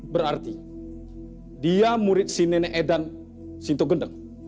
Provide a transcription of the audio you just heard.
berarti dia murid si nenek edan sintogendeng